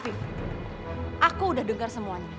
aku udah dengar semuanya